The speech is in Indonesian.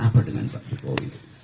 apa dengan pak jokowi